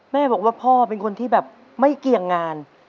แม่บอกว่าพ่อเป็นคนที่แบบไม่เกี่ยงงาน